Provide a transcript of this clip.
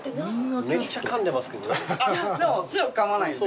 でも強くかまないんで。